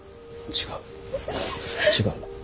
違う。